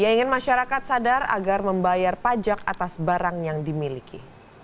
ia ingin masyarakat sadar agar membayar pajak atas barang yang dimiliki